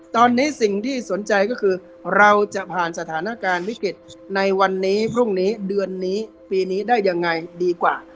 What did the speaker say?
ตอนนี้สิ่งที่สนใจก็คือเราจะผ่านสถานการณ์วิกฤตในวันนี้พรุ่งนี้เดือนนี้ปีนี้ได้ยังไงดีกว่า